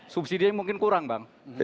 subsidinya mungkin kurang bang